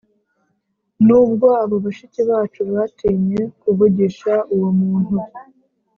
Nubwo abo bashiki bacu batinye kuvugisha uwo muntu